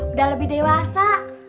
udah lebih dewasa